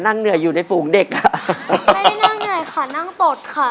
เหนื่อยอยู่ในฝูงเด็กอ่ะไม่ได้นั่งเหนื่อยค่ะนั่งตดค่ะ